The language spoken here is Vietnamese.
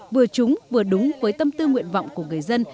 vừa trúng vừa đúng với tâm tư nguyện vọng của người dân